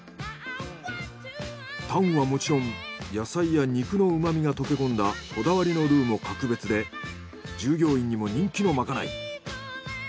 タンはもちろん野菜や肉の旨みが溶け込んだこだわりのルーも格別で従業員にも人気のまかない。